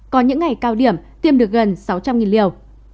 có những ngày cao điểm tiêm được gần sáu trăm linh liều